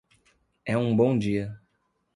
É um bom dia.